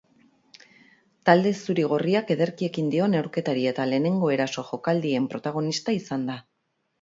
Talde zuri-gorriak ederki ekin dio neurketari eta lehenengo eraso jokaldien protagonista izan da.